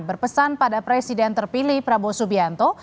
berpesan pada presiden terpilih prabowo subianto